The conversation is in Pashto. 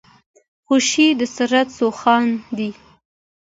خوشي د سرت سو هان دی.